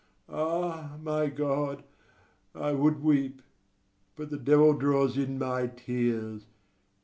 Ah, my God, I would weep! but the devil draws in my tears.